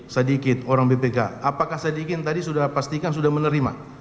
sedikit orang bpk apakah sadikin tadi sudah pastikan sudah menerima